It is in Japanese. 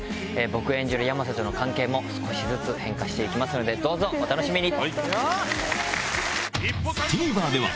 僕演じる山瀬との関係も少しずつ変化しますのでどうぞお楽しみに！